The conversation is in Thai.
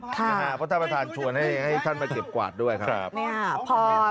เพราะท่านประธานชวนให้ท่านไปเก็บกวาดด้วยครับ